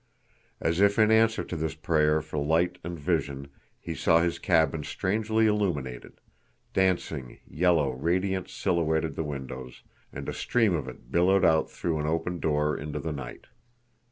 As if in answer to this prayer for light and vision he saw his cabin strangely illumined; dancing, yellow radiance silhouetted the windows, and a stream of it billowed out through an open door into the night.